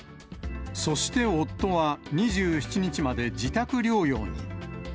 そして、夫は２７日まで自宅療養に。